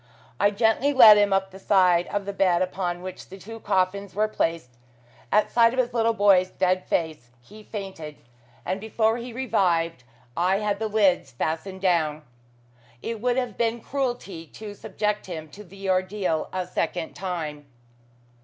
I gently led him up to the side of the bed upon which the two coffins were placed. At sight of his little boy's dead face, he fainted, and before he revived I had the lids fastened down. It would have been cruelty to subject him to the ordeal a second time.